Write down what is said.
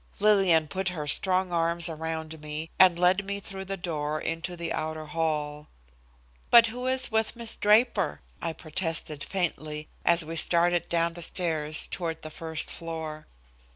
Lillian put her strong arms around me and led me through the door into the outer hall. "But who is with Miss Draper?" I protested faintly, as we started down the stairs toward the first floor.